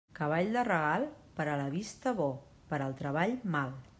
Cavall de regal, per a la vista bo, per al treball mal.